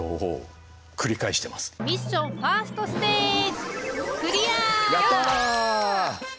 ミッションファーストステージやった！